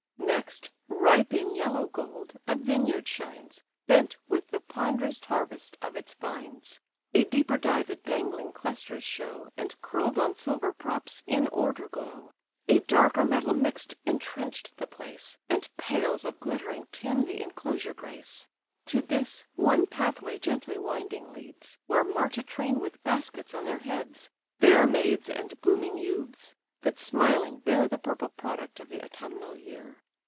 Next, ripe in yellow gold, a vineyard shines, Bent with the ponderous harvest of its vines; A deeper dye the dangling clusters show, And curl'd on silver props, in order glow: A darker metal mix'd intrench'd the place; And pales of glittering tin the inclosure grace. To this, one pathway gently winding leads, Where march a train with baskets on their heads, (Fair maids and blooming youths,) that smiling bear The purple product of the autumnal year.